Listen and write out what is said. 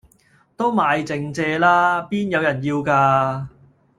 都賣剩蔗啦！邊有人要架